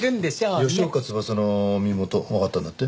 吉岡翼の身元わかったんだって？